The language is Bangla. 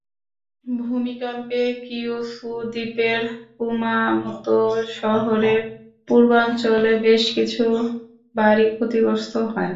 ভূমিকম্পে কিয়ুসু দ্বীপের কুমামোতো শহরের পূর্বাঞ্চলে বেশ কিছু বাড়ি ক্ষতিগ্রস্ত হয়।